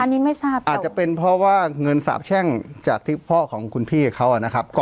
อันนี้ไม่ทราบอาจจะเป็นเพราะว่าเงินสาบแช่งจากที่พ่อของคุณพี่เขานะครับ